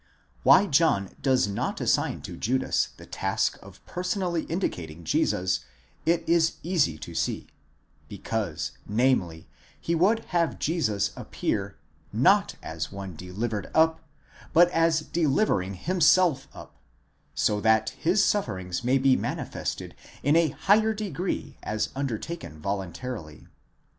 Why John does not assign to Judas the task of personally indicating Jesus, it is easy to see: because, namely, he would have Jesus appear, not as one delivered up, but as delivering himself up, so that his sufferings may be manifested in a higher degree as undertaken voluntarily.